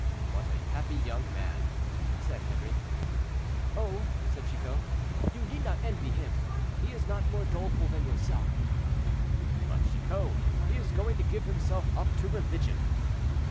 "What a happy young man," said Henri. "Oh!" said Chicot, "you need not envy him; he is not more doleful than yourself." "But, Chicot, he is going to give himself up to religion."